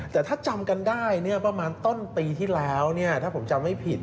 แต่ถ้าจำกันได้ประมาณต้นปีที่แล้วถ้าผมจำไม่ผิด